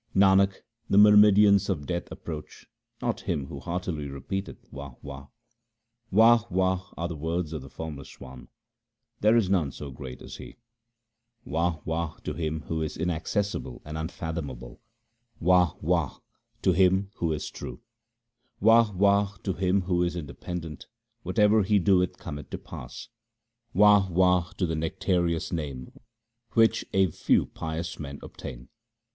Nanak, the myrmidons of Death approach not him who heartily repeateth Wah ! Wah ! Wah ! Wah ! are the words of the Formless One ; there is none so great as He. Wah ! Wah ! to Him who is inaccessible and unfathom able ; Wah ! Wah ! to Him who is true. Wah ! Wah ! to Him who is independent ; whatever He doeth cometh to pass. Wah ! Wah ! to the nectareous Name which a few pious men obtain.